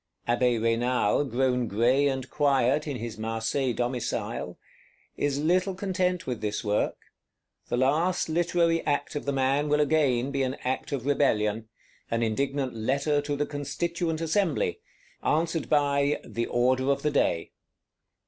Abbé Raynal, grown gray and quiet in his Marseilles domicile, is little content with this work; the last literary act of the man will again be an act of rebellion: an indignant Letter to the Constituent Assembly; answered by "the order of the day."